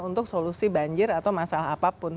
untuk solusi banjir atau masalah apapun